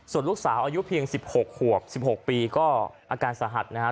ส่วนลูกสาวอายุเพียงสิบหกขวกสิบหกปีก็อาการสหัสนะฮะ